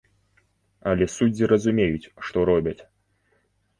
Але суддзі разумеюць, што робяць.